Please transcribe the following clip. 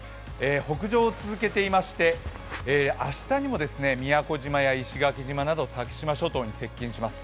北上を続けていまして明日にも宮古島や石垣島など先島諸島に接近します。